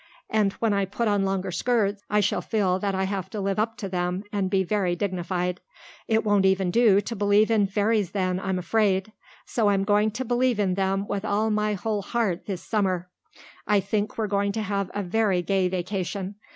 And when I put on longer skirts I shall feel that I have to live up to them and be very dignified. It won't even do to believe in fairies then, I'm afraid; so I'm going to believe in them with all my whole heart this summer. I think we're going to have a very gay vacation.